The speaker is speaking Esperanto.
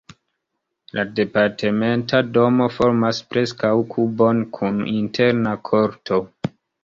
La departementa domo formas preskaŭ kubon kun interna korto.